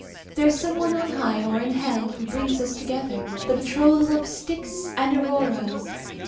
There is some one on high, or in hell, who brings us together. The betrothal of Styx and Aurora!